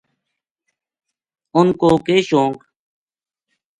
انھ کو کے شونق